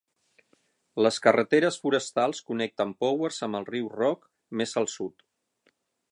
Les carreteres forestals connecten Powers amb el riu Rogue, més al sud.